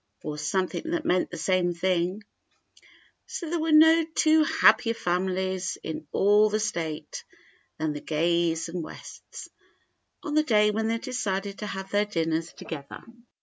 or something that meant the same thing. So there were no two happier families in all the State than the Gays and Wests, on the day when they decided to have their dinners to gether.